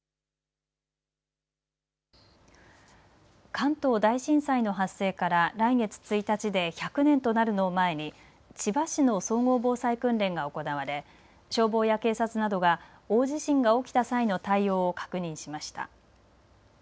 関東大震災の発生から来月１日で１００年となるのを前に、千葉市の総合防災訓練が行われ消防や警察などが大地震が起きた際の対応を確認しました。